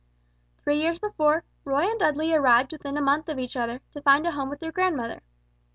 Three years before, Roy and Dudley arrived within a month of each other, to find a home with their grandmother.